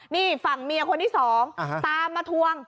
นี่ฝั่งเมียคนที่สองตามมาทวง